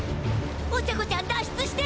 お茶子ちゃん脱出して！